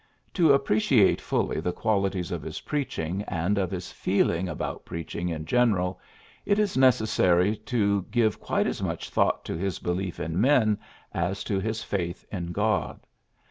To ap preciate fully the qualities of his preach ing and of his feeling about preaching in general, it is necessary to give quite as much thought to his belief in men as to his faith in God.